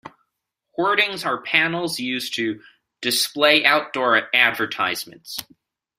Hoardings are panels used to display outdoor advertisements